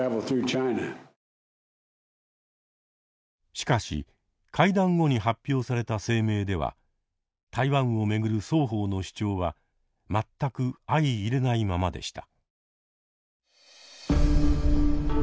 しかし会談後に発表された声明では台湾を巡る双方の主張は全く相いれないままでした。